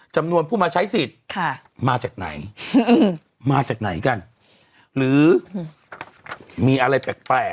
จำนวนผู้มาใช้สิทธิ์มาจากไหนมาจากไหนกันหรือมีอะไรแปลก